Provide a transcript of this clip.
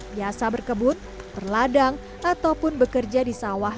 biasa berkebun berladang ataupun bekerja di sawah